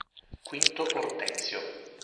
Quinto Ortensio